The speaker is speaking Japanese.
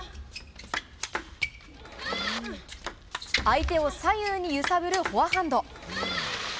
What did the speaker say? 相手を左右に揺さぶるフォアハンド。